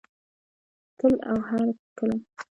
تل او هرکله.